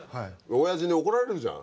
おやじに怒られるじゃん。